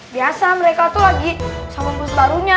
biasa mereka tuh lagi sama bus barunya